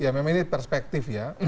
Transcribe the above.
ya memang ini perspektif ya